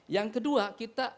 yang kedua kita